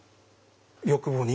欲望に？